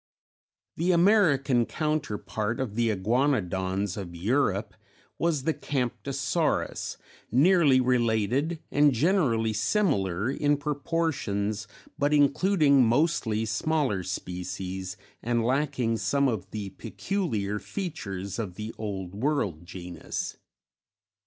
_ The American counterpart of the Iguanodons of Europe was the Camptosaurus, nearly related and generally similar in proportions but including mostly smaller species, and lacking some of the peculiar features of the Old World genus.